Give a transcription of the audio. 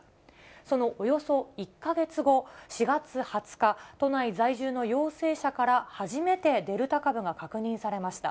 そのおよそ１か月後、４月２０日、都内在住の陽性者から初めてデルタ株が確認されました。